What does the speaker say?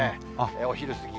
お昼過ぎ。